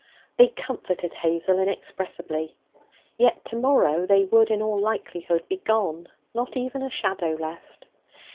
They comforted Hazel inexpressibly. Yet to morrow they would, in all likelihood, be gone, not even a shadow left.